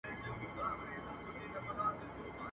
ما لیدل د پښتنو بېړۍ ډوبیږي.